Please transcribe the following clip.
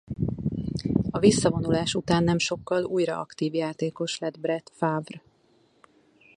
A visszavonulás után nem sokkal újra aktív játékos lett Brett Favre.